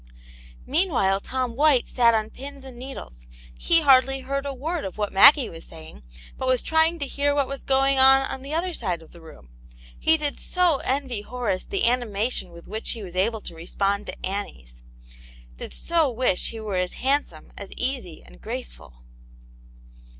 Meanwhile Tom White sat on pins and needles ; he hardly heard a word of what Maggie was saying, but was trying to hear what was going on on the other side of the room. He did so envy Horace the anima tion with which he was able to respond to Annie's ; did so wish he were as handsome, as easy and graceful